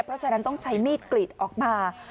เพราะฉะนั้นต้องใช้มีดกรีดออกมา